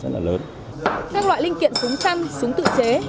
các loại linh kiện súng săn súng tự chế